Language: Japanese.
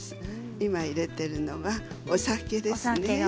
今、入れているのはお酒ですね。